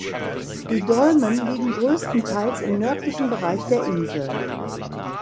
Die Dolmen liegen größtenteils im nördlichen Bereich der Insel.